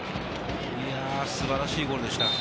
素晴らしいゴールでした。